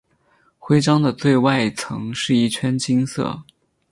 徽章的最外层是一圈金色。